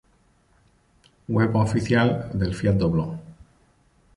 Web oficial del Fiat Dobló